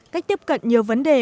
cách tiếp cận nhiều vấn đề